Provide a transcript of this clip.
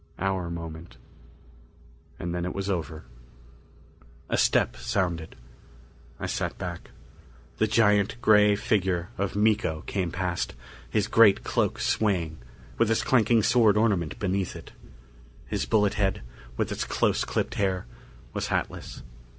Our moment, and then it was over. A step sounded. I sat back. The giant gray figure of Miko came past, his great cloak swaying, with his clanking sword ornament beneath it. His bullet head, with its close clipped hair, was hatless.